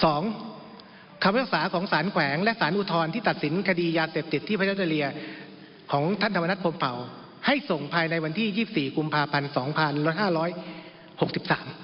สองความรักษาของสารแขวงและสารอุทรที่ตัดสินคดียาเสพติดที่พระเจ้าเจ้าเรียของท่านธรรมนัสพรมเผ่าให้ส่งภายในวันที่๒๔กุมภาพันธ์๒๕๖๓